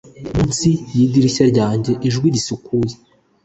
Munsi yidirishya ryanjye ijwi risukuye